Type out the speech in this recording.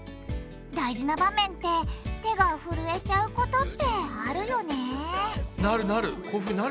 大事な場面って手がふるえちゃうことってあるよねなるなる！